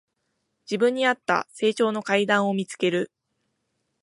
自分にあった成長の階段を見つける